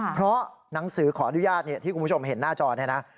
เพราะหนังสือขออนุญาตที่คุณผู้ชมเห็นหน้าจอเนี่ยนะ